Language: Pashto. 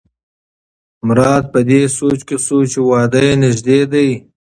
مراد په دې سوچ کې شو چې واده یې نژدې دی.